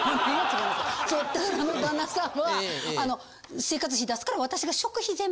その旦那さんは生活費出すから。